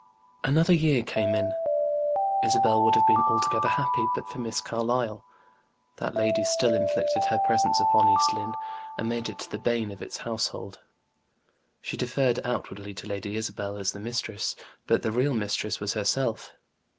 Another year came in. Isabel would have been altogether happy but for Miss Carlyle; that lady still inflicted her presence upon East Lynne, and made it the bane of its household. She deferred outwardly to Lady Isabel as the mistress; but the real mistress was herself.